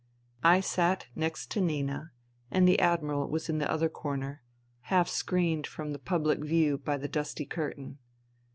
I sat next to Nina, and the Admiral was in the other corner, half screened from the public view by INTERVENING IN SIBERIA 148 the dusty curtain.